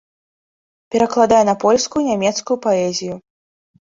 Перакладае на польскую нямецкую паэзію.